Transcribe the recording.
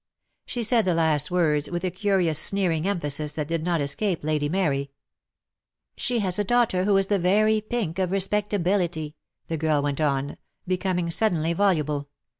She said the last words with a curious sneering emphasis that did not escape Lady Mary. "She has a daughter who is the very pink of respectability," the girl went on, becoming sud denly voluble.